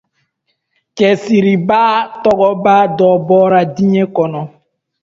Cɛsiribaa tɔgɔba dɔ bɔra diɲɛ kɔnɔ.